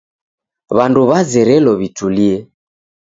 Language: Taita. W'andu w'azerelo w'itulie.